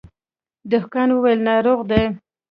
دهقان وويل ناروغ دی.